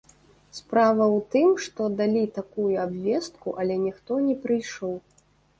Справа ў тым, што далі такую абвестку але ніхто не прыйшоў.